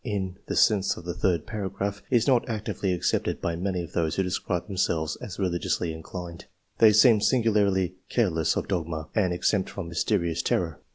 129 the sense of the third paragraph, is not actively accepted by many of those who describe them selves as religiously inclined : they seem singularly careless of dogma, and exempt from mysterious terror.